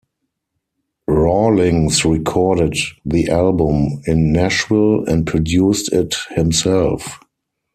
Rawlings recorded the album in Nashville, and produced it himself.